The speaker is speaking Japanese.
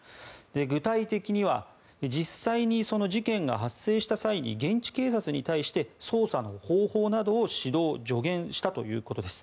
具体的には実際に事件が発生した際に現地警察に対して捜査の方法などを指導・助言したということです。